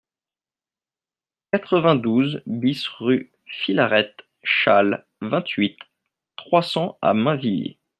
quatre-vingt-douze BIS rue Philarète Chasles, vingt-huit, trois cents à Mainvilliers